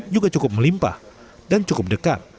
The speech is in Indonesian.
juga cukup melimpah dan cukup dekat